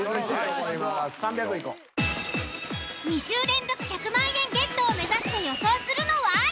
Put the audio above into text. ２週連続１００万円ゲットを目指して予想するのは。